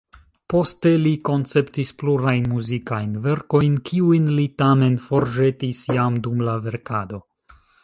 Poste li konceptis plurajn muzikajn verkojn, kiujn li tamen forĵetis jam dum la verkado.